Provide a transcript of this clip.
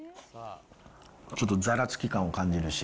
ちょっとざらつき感を感じるし。